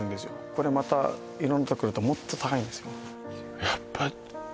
これまた色んなところだともっと高いんですよ